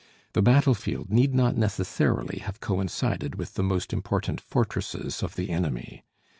The battlefield need not necessarily have coincided with the most important fortresses of the enemy.